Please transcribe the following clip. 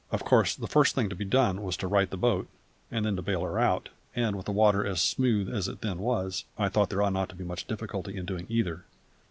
Of course the first thing to be done was to right the boat, and then to bale her out; and, with the water as smooth as it then was, I thought there ought not to be much difficulty in doing either.